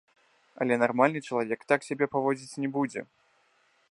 Але нармальны чалавек так сябе паводзіць не будзе.